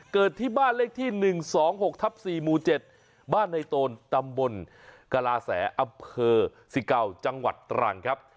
เกิดที่บ้านเลขที่๑๒๖๔มู๗บ้านในตรงตำบลกราแสอัพเพอร์๑๙จังหวัดตรังครับ